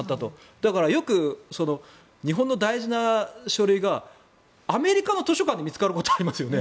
だからよく日本の大事な書類がアメリカの図書館で見つかることがありますよね。